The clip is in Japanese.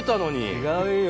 違うよ。